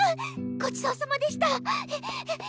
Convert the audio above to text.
ごちそうさまでした！